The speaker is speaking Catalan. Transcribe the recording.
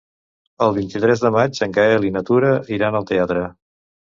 El vint-i-tres de maig en Gaël i na Tura iran al teatre.